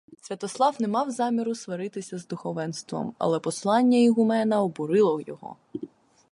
Святослав не мав заміру сваритися з духовенством, але послання ігумена обурило його.